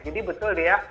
jadi betul ya